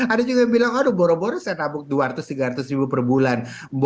ada juga yang bilang aduh boro boro saya nabung dua ratus tiga ratus ribu per bulan